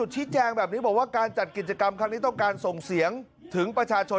ชี้แจงแบบนี้บอกว่าการจัดกิจกรรมครั้งนี้ต้องการส่งเสียงถึงประชาชน